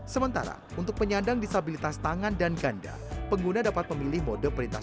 sementara untuk penyandang disabilitas tangan dan ganda pengguna dapat memilih mode manual dan remote navigation